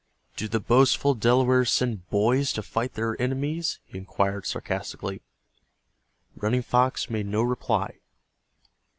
"Do the boastful Delawares send boys to fight their enemies?" he inquired, sarcastically. Running Fox made no reply.